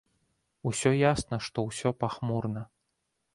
Усё ясна, што ўсё пахмурна.